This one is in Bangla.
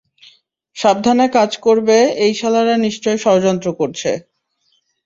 সাবধানে কাজ করবে এই সালারা নিশ্চয় ষড়যন্ত্র করছে।